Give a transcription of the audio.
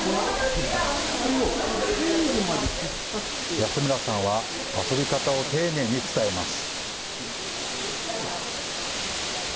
安村さんは遊び方を丁寧に伝えます。